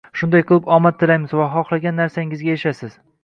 Shunday qilib, omad tilaymiz va xohlagan narsangizga erishasiz